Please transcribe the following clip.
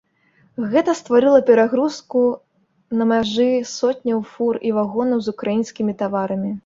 Гэта стварыла перагрузку на мяжы сотняў фур і вагонаў з украінскімі таварамі.